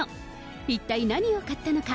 一体何を買ったのか。